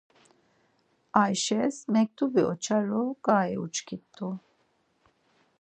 Ayşes mektubi oç̌aru ǩai uçkit̆u.